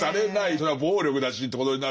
それは暴力だしってことになるから。